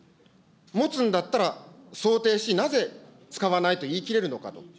持つんだったら想定し、なぜ使わないと言い切れるのかと。